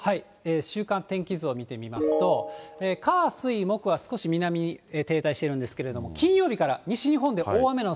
週間天気図を見てみますと、火、水、木は少し南へ停滞してるんですけど、金曜日から西日本で大雨のお